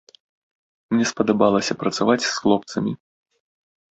Мне спадабалася працаваць з хлопцамі.